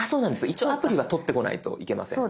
一応アプリは取ってこないといけません。